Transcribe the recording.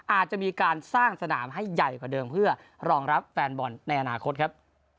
อาจจะมีการสร้างสนามให้ใหญ่กว่าเดิมเพื่อรองรับแฟนบอลในอนาคตครับ